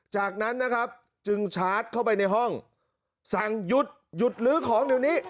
จากนั้นนะครับจึงชาร์จเข้าไปในห้องสั่งหยุดหยุดลื้อของเดี๋ยวนี้